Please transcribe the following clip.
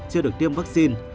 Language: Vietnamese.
chưa được tiêm vaccine